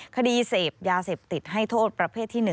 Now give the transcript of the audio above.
คดีเสพยาเสพติดให้โทษประเภทที่๑